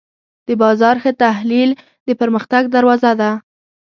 د بازار ښه تحلیل د پرمختګ دروازه ده.